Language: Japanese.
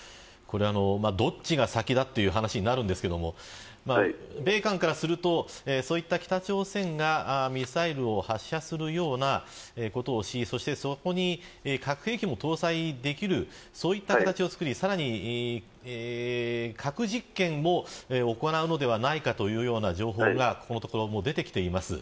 どっちが先だという話になりますが米韓からするとそういった、北朝鮮がミサイルを発射するようなことをしてそこに核兵器も搭載できるという形を作ってさらに核実験を行うのではないかという情報がここのところ出ています。